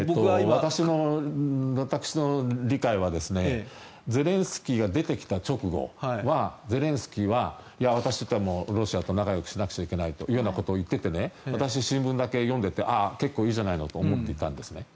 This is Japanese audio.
私の理解はゼレンスキーが出てきた直後はゼレンスキーは私はロシアと仲よくしなきゃいけないとか言っていて私、新聞だけ読んでいて結構いいじゃないのと思っていたんですね。